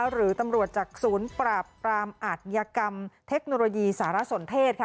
หรือตำรวจจากศูนย์ปราบปรามอัธยกรรมเทคโนโลยีสารสนเทศ